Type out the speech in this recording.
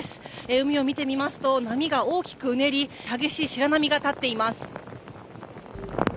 海を見てみますと波が大きくうねり、激しい白波が立っています。